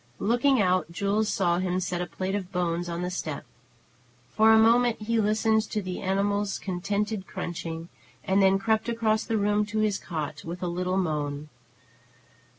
Looking out, Jules saw him set a plate of bones on the step. For a moment he listened to the animal's contented crunching, and then crept across the room to his cot, with a little moan.